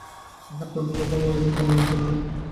ইহার পূর্বে কখনো এরূপ অনিয়ম হয় নাই।